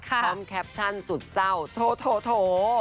พร้อมแคปชั่นสุดเศร้าโถโถ